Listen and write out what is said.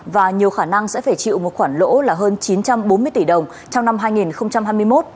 và nhiều khả năng sẽ phải chịu một khoản lỗ là hơn chín trăm bốn mươi tỷ đồng trong năm hai nghìn hai mươi một